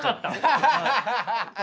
アハハハ。